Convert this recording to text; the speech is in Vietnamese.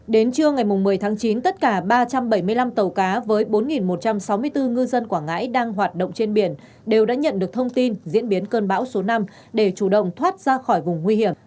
đến trưa ngày một mươi tháng chín tất cả ba trăm bảy mươi năm tàu cá với bốn một trăm sáu mươi bốn ngư dân quảng ngãi đang hoạt động trên biển đều đã nhận được thông tin diễn biến cơn bão số năm để chủ động thoát ra khỏi vùng nguy hiểm